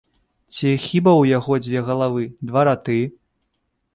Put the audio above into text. Ці хіба ў яго дзве галавы, два раты?